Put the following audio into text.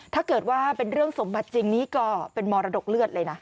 ถ้าเกิดว่าเป็นเรื่องสมบัติจริงนี่ก็เป็นมรดกเลือดเลยนะ